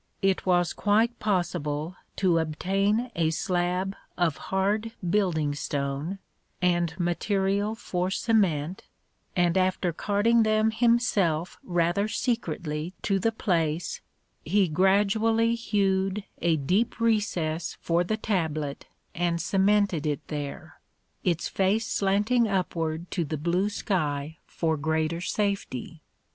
It was quite possible to obtain a slab of hard building stone and material for cement, and after carting them himself rather secretly to the place, he gradually hewed a deep recess for the tablet and cemented it there, its face slanting upward to the blue sky for greater safety.